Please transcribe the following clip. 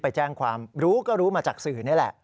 ไปแจ้งความรู้ก็รู้มาจากสื่อนี่แหละ